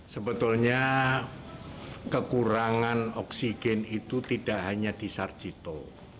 sebetulnya kekurangan oksigen itu tidak hanya di sarjito